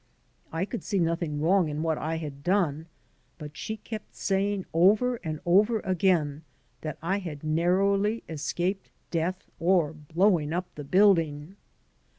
I could see nothing wrong in what I had done, but she kept saying over and over again that I had narrowly escaped death or blowing up the building.